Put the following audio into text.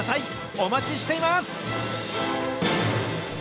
お待ちしています。